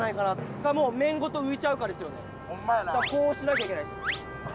だからこうしなきゃいけない。